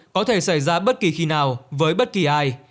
có thể xảy ra bất kỳ khi nào với bất kỳ ai